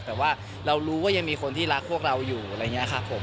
แต่ว่าเรารู้ว่ายังมีคนที่รักพวกเราอยู่อะไรอย่างนี้ครับผม